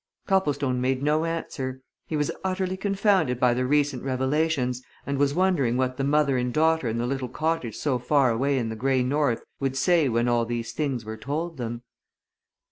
Copplestone made no answer. He was utterly confounded by the recent revelations and was wondering what the mother and daughter in the little cottage so far away in the grey north would say when all these things were told them.